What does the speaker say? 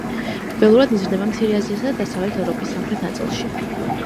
ველურად იზრდება მცირე აზიასა და დასავლეთ ევროპის სამხრეთ ნაწილში.